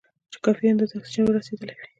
چې کافي اندازه اکسیجن ور رسېدلی وي.